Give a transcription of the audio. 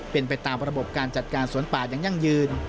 เป็นไปตามระบบการจัดการสวนป่าอย่างยั่งยืน